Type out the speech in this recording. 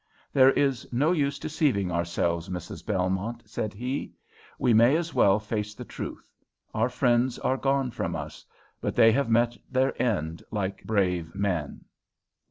"There is no use deceiving ourselves, Mrs. Belmont," said he; "we may as well face the truth. Our friends are gone from us, but they have met their end like brave men."